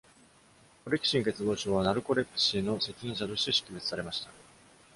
オレキシン欠乏症は、ナルコレプシーの責任者として識別されました。